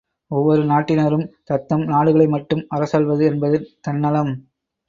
ஒவ்வொரு நாட்டினரும் தத்தம் நாடுகளை மட்டும் அரசாள்வது என்பது தன் நலம்!